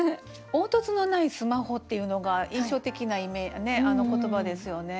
「凹凸のないスマホ」っていうのが印象的な言葉ですよね。